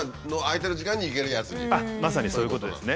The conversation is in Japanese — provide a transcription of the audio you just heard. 自分のまさにそういうことですね。